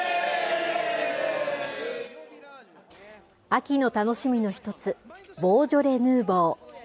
３、２、秋の楽しみの一つ、ボージョレ・ヌーボー。